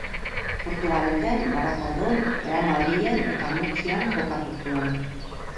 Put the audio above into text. Portugaleten, Barakaldon, Real Madrilen eta Murtzian jokatu zuen.